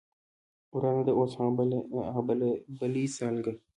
ورانه ده اوس هغه بلۍ سالکه